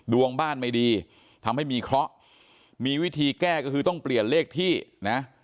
ดวงบ้านไม่ดีทำให้มีเคราะห์มีวิธีแก้ก็คือต้องเปลี่ยนเลขที่นะ